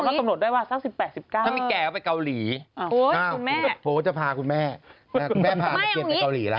เลยไม่ต้องแก่ถ้ามีแก่ไปเกาหลี